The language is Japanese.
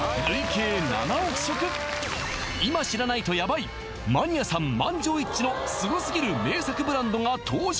今知らないとヤバいマニアさん満場一致のすごすぎる名作ブランドが登場